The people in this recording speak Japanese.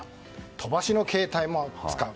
飛ばしの携帯も使う。